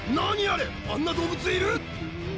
あれあんな動物いる？